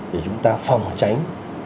để chúng ta phòng tránh